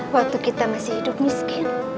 waktu kita masih hidup miskin